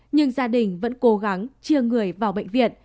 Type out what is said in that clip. nhưng gia đình vẫn cố gắng chia người vào bệnh viện